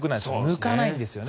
抜かないんですよ。